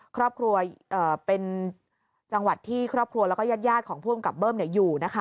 ครอบครัวเป็นจังหวัดที่ครอบครัวแล้วก็ญาติของผู้กำกับเบิ้มอยู่นะคะ